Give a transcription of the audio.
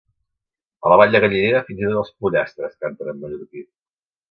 A la Vall de Gallinera fins i tot els pollastres canten en mallorquí.